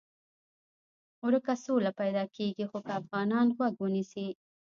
ورکه سوله پیدا کېږي خو که افغانان غوږ ونیسي.